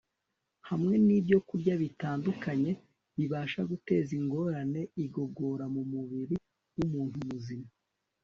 hamwe n'ibyokurya bitandukanye bibasha guteza ingorane igogora mu mubiri w'umuntu muzima